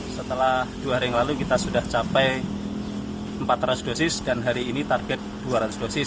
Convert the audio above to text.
setelah dua hari yang lalu kita sudah capai empat ratus dosis dan hari ini target dua ratus dosis